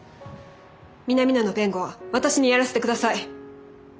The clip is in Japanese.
南野の弁護は私にやらせてください。